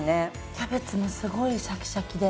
キャベツもすごいシャキシャキで。